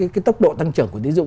cái tốc độ tăng trưởng của tính dụng